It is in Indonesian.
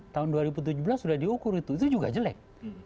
tahun dua ribu tujuh belas sudah diukur itu juga jelek